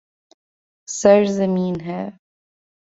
سرزمین ہے